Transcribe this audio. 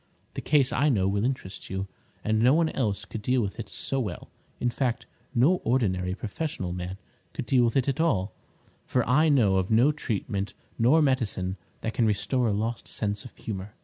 The case I know will interest you, and no one else could deal with it so well. In fact, no ordinary professional man could deal with it at all, for I know of no treatment nor medicine that can restore a lost sense of humour!"